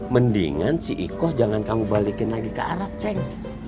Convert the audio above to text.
mendingan si iko jangan kamu balikin lagi ke arap cik